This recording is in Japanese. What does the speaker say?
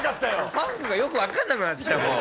パンクがよくわかんなくなってきたもう。